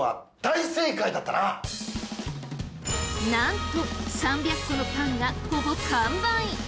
なんと３００個のパンがほぼ完売。